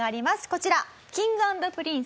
こちら。